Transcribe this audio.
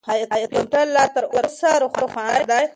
آیا کمپیوټر لا تر اوسه روښانه دی؟